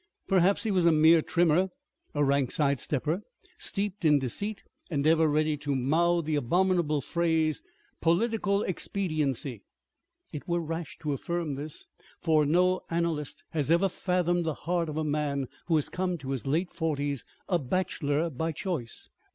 Perhaps he was a mere trimmer, a rank side stepper, steeped in deceit and ever ready to mouth the abominable phrase "political expediency." It were rash to affirm this, for no analyst has ever fathomed the heart of a man who has come to his late forties a bachelor by choice.